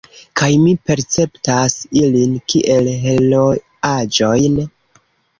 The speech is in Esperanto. Kaj mi perceptas ilin kiel heroaĵojn.